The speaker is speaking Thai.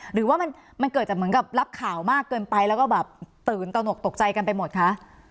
หรือว่ามันเกิดจากเหมือนกับรับข่าวมากเกินไปแล้วก็แบบตื่นตนกตกใจกันไปหมดคะ